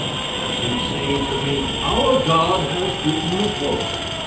But they say to me, our God has written a book.